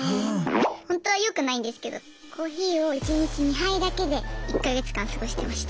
ほんとはよくないんですけどコーヒーを１日２杯だけで１か月間過ごしてました。